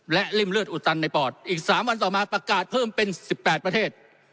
และริ่มเลือดอุดตันในปอดอีก๓วันต่อมาประกาศเพิ่มเป็น๑๘ประเทศ